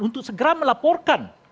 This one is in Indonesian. untuk segera melaporkan